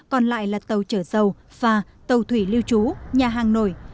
còn lại là tàu chở dầu phà tàu thủy lưu trú nhà hàng nổi